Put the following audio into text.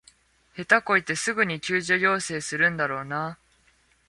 下手こいてすぐに救助要請するんだろうなあ